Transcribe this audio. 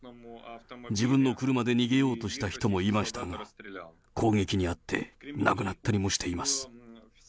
自分の車で逃げようとした人もいましたが、攻撃に遭って亡くなったりもしています。